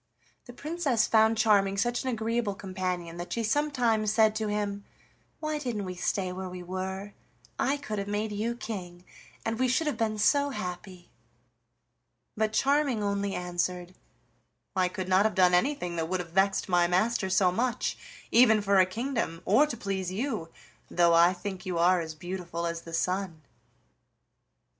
The Princess found Charming such an agreeable companion that she sometimes said to him: "Why didn't we stay where we were? I could have made you king, and we should have been so happy!" But Charming only answered: "I could not have done anything that would have vexed my master so much, even for a kingdom, or to please you, though I think you are as beautiful as the sun."